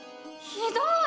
ひどい！